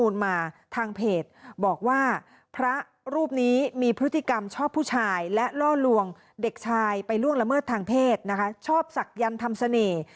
และล่อลวงเด็กชายไปล่วงละเมิดทางเพศชอบศักดิ์ยันธรรมเสน่ห์